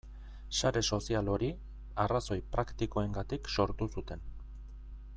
Sare sozial hori arrazoi praktikoengatik sortu zuten.